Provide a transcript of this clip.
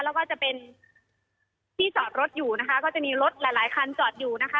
แล้วก็จะเป็นที่จอดรถอยู่นะคะก็จะมีรถหลายหลายคันจอดอยู่นะคะ